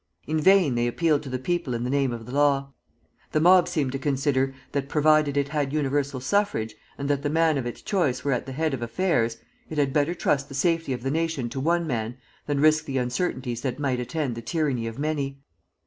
In vain they appealed to the people in the name of the law. The mob seemed to consider that provided it had universal suffrage, and that the man of its choice were at the head of affairs, it had better trust the safety of the nation to one man than risk the uncertainties that might attend the tyranny of many.